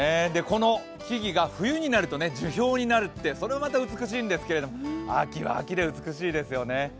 この木々が冬になると樹氷になるって、それはまた美しいんですけれど秋は秋で美しいですよね。